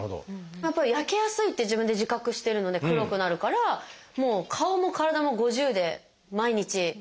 やっぱり焼けやすいって自分で自覚してるので黒くなるからもう顔も体も「５０」で毎日塗ってるんですけど。